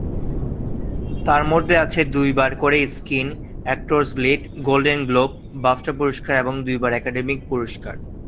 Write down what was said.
তার মধ্যে আছে দুইবার করে Screen Actors Guild, Golden Globe, BAFTA পুরস্কার, এবং দুইবার একাডেমি পুরস্কার।